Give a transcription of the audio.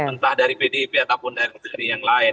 entah dari pdip ataupun dari yang lain